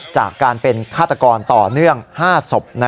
จากการเป็นฆาตกรต่อเนื่อง๕ศพ